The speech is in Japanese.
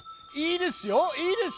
いいですよ！